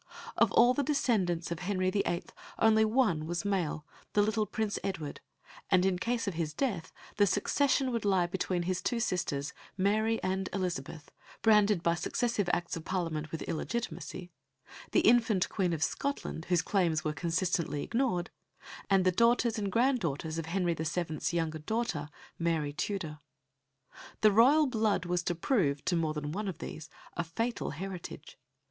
Of all the descendants of Henry VII. only one was male, the little Prince Edward, and in case of his death the succession would lie between his two sisters, Mary and Elizabeth, branded by successive Acts of Parliament with illegitimacy, the infant Queen of Scotland, whose claims were consistently ignored, and the daughters and grand daughters of Henry VII.'s younger daughter, Mary Tudor. The royal blood was to prove, to more than one of these, a fatal heritage.